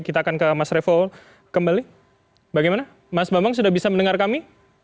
kita akan ke mas revo kembali bagaimana mas bambang sudah bisa mendengar kami